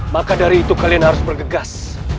maka dari itu kalian harus bergegas